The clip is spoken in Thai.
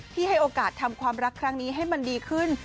ให้โอกาสทำความรักครั้งนี้ให้มันดีขึ้น